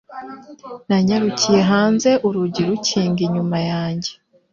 Nanyarukiye hanze urugi rukinga inyuma yanjye.